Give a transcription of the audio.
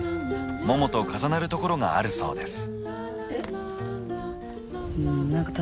ももと重なるところがあるそうです。